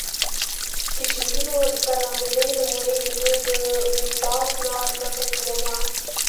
د شعرونو دا لاندينۍ نمونې ددوې د وېبلاګ نه نقل کومه